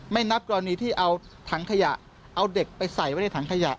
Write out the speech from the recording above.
นับกรณีที่เอาถังขยะเอาเด็กไปใส่ไว้ในถังขยะ